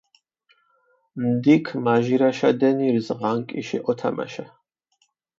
ნდიქჷ მაჟირაშა დენირზ ღანკიში ჸოთამაშა.